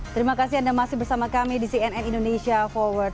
terima kasih anda masih bersama kami di cnn indonesia forward